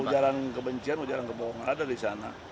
ujaran kebencian ujaran kebohongan ada di sana